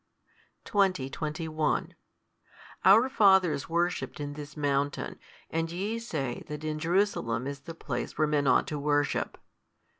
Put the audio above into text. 20, 21 Our fathers worshipped in this mountain, and YE say that in Jerusalem is the place where men ought to worship.